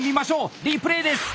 リプレーです！